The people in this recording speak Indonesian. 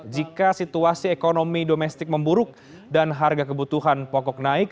jika situasi ekonomi domestik memburuk dan harga kebutuhan pokok naik